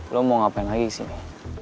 lo mau ngapain lagi sih